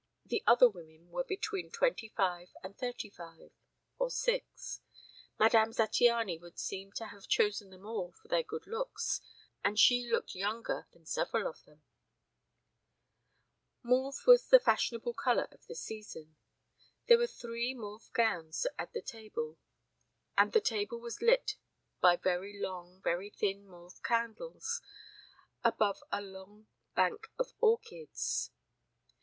The other women were between twenty five and thirty five or six. Madame Zattiany would seem to have chosen them all for their good looks, and she looked younger than several of them. Mauve was the fashionable color of the season. There were three mauve gowns and the table was lit by very long, very thin mauve candles above a low bank of orchids.